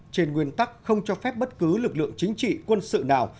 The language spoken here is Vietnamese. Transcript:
trên nguyên tắc không cho phép bất cứ lực lượng chính trị quân sự nào